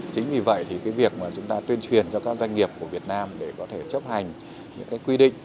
chính vì vậy thì cái việc mà chúng ta tuyên truyền cho các doanh nghiệp của việt nam để có thể chấp hành những cái quy định